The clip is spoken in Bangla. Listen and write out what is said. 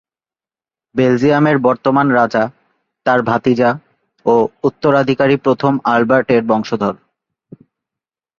বেলজিয়ামের বর্তমান রাজা, তার ভাতিজা ও উত্তরাধিকারী প্রথম আলবার্ট এর বংশধর।